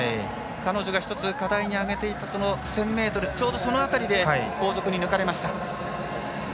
彼女が１つ課題に挙げていた１０００ｍ、ちょうどその辺りで後続に抜かれました。